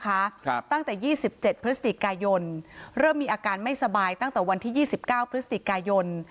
ครับตั้งแต่ยี่สิบเจ็ดพฤศจิกายนเริ่มมีอาการไม่สบายตั้งแต่วันที่ยี่สิบเก้าพฤศจิกายน